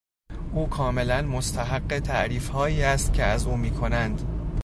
او کاملا مستحق تعریفهایی است که از او میکنند.